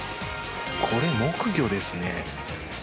これ、木魚ですね。